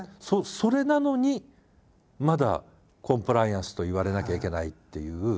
それなのにまだコンプライアンスといわれなきゃいけないっていう。